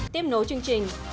tiếp nối chương trình